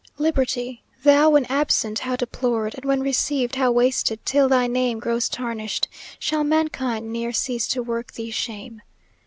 Liberty! Thou when absent how deplored, And when received, how wasted, till thy name Grows tarnished; shall mankind, ne'er cease to work thee shame?